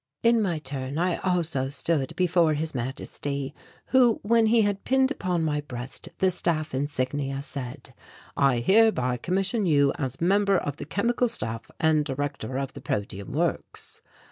In my turn I also stood before His Majesty, who when he had pinned upon my breast the Staff insignia said: "I hereby commission you as Member of the Chemical Staff and Director of the Protium Works.